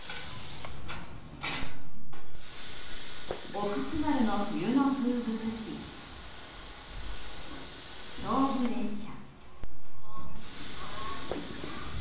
奥津軽の冬の風物詩ストーブ列車。